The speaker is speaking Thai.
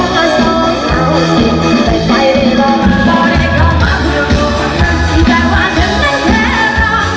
เบาเหลือกับแน่นของผู้สาวพาเรา